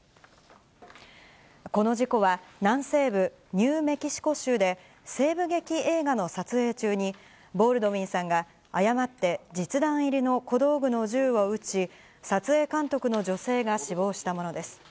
この事故は、南西部ニューメキシコ州で、西部劇映画の撮影中に、ボールドウィンさんが誤って実弾入りの小道具の銃を撃ち、撮影監督の女性が死亡したものです。